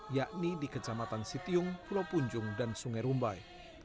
yakni di kejamatan sitiyung pulau punjung dan sungai rumbai